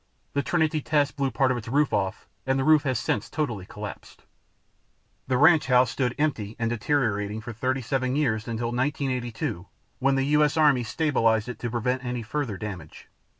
The Trinity test blew part of its roof off, and the roof has since totally collapsed. The ranch house stood empty and deteriorating for 37 years until 1982 when the US Army stabilized it to prevent any further damage.